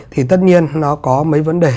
thì tất nhiên nó có mấy vấn đề